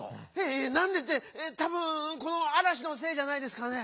えっなんでってたぶんこのあらしのせいじゃないですかね。